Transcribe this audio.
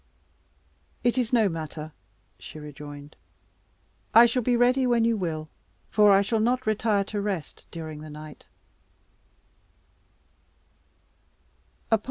"It is no matter," she rejoined; "I shall be ready when you will, for I shall not retire to rest during the night."